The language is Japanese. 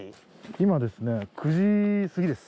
今ですね９時過ぎです。